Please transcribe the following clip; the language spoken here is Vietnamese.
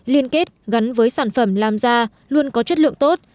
liên kết gắn với sản phẩm làm ra luôn có chất lượng tốt